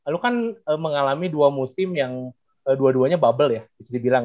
lo kan mengalami dua musim yang dua duanya bubble ya bisa dibilang